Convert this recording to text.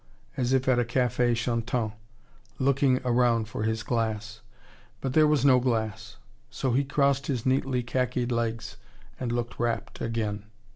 as if at a Cafe Chantant, looking round for his glass. But there was no glass. So he crossed his neatly khakied legs, and looked rapt again.